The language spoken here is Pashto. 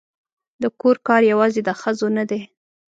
د کور کار یوازې د ښځو نه دی